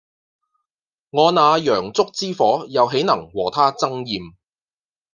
我那洋燭之火又豈能和他爭艷